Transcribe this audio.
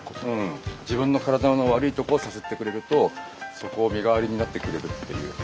自分の体の悪いとこをさすってくれるとそこを身代わりになってくれるっていう。